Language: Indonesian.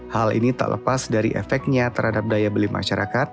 hal ini tak lepas dari efeknya terhadap daya beli masyarakat